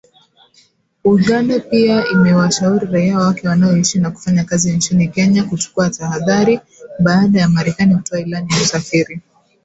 Uganda pia imewashauri raia wake wanaoishi na kufanya kazi nchini Kenya kuchukua tahadhari, baada ya Marekani kutoa ilani ya kusafiri.